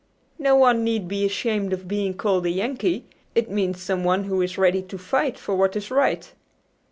No one need be ashamed of being called a 'Yankee.' It means someone who is ready to fight for what is right."